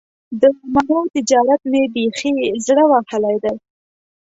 د مڼو تجارت مې بیخي زړه وهلی دی.